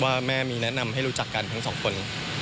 ว่าแม่มีแนะนำให้รู้จักกันทั้งสองคน